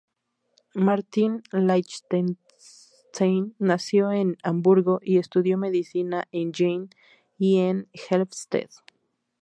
Martin Lichtenstein nació en Hamburgo y estudió medicina en Jena y en Helmstedt.